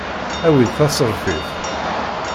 Awi-d taserfiṭ.